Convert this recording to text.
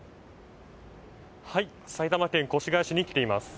埼玉県越谷市に来ています。